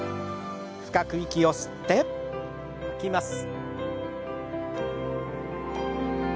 深く息を吸って吐きます。